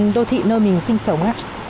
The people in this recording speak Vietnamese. đô thị nơi mình sinh sống